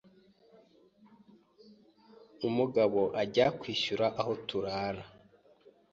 umugabo ajya kwishyura aho turara